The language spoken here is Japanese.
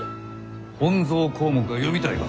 「本草綱目」が読みたいか？